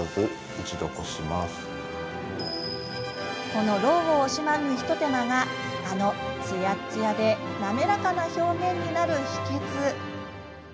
この労を惜しまぬ一手間があの、つやっつやで滑らかな表面になる秘けつ。